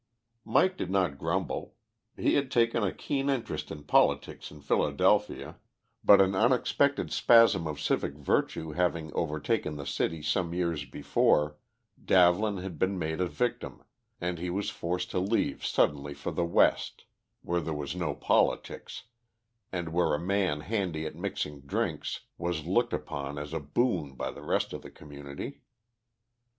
Mike did not grumble. He had taken a keen interest in politics in Philadelphia, but an unexpected spasm of civic virtue having overtaken the city some years before, Davlin had been made a victim, and he was forced to leave suddenly for the West, where there was no politics, and where a man handy at mixing drinks was looked upon as a boon by the rest of the community.